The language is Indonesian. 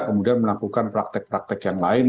kemudian melakukan praktek praktek yang lain